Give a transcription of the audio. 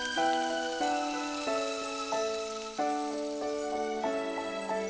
boleh listeners bayangkan